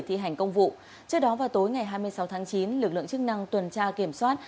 thi hành công vụ trước đó vào tối ngày hai mươi sáu tháng chín lực lượng chức năng tuần tra kiểm soát